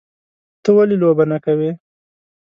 _ته ولې لوبه نه کوې؟